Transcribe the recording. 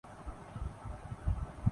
وہ ایسے ہی ایک کاروباری آدمی ہیں۔